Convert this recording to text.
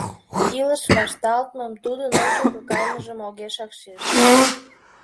Илыш вашталтмым, тудын ончыко кайымыжым огешак шиж.